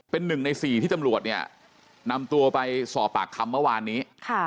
เป็น๑ใน๔ที่ตำรวจเนี่ยนำตัวไปสอบปากคำเมื่อวานนี้